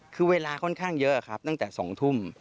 คือเวลาค่อนข้างเยอะครับตั้งแต่๒ทุ่ม